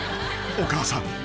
［お母さん。